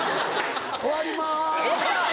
終わります。